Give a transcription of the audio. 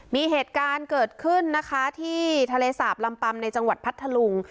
มีเหตุการณ์เกิดขึ้นนะคะที่ทะเลสาบลำปัมในจังหวัดพัทธลุง